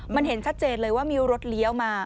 มันเห็นชัดเจนเลยว่ามีรถเลี้ยวมา